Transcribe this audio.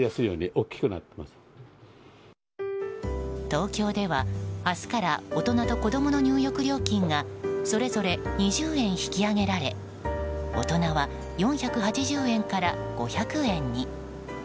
東京では明日から大人と子供の入浴料金がそれぞれ２０円引き上げられ大人は４８０円から５００円に。